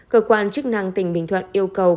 cơ quan chức năng tỉnh bình thuận yêu cầu